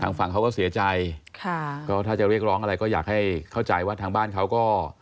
ฝั่งเขาก็เสียใจค่ะก็ถ้าจะเรียกร้องอะไรก็อยากให้เข้าใจว่าทางบ้านเขาก็